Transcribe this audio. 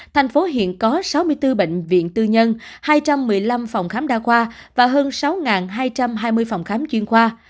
thành phố hiện có sáu mươi bốn bệnh viện tư nhân hai trăm một mươi năm phòng khám đa khoa và hơn sáu hai trăm hai mươi phòng khám chuyên khoa